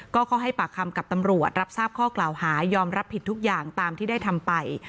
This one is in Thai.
ก็เขาให้ปากคำกับตำรวจรับทราบข้อกล่าวหายอมรับผิดทุกอย่างตามที่ได้ทำไป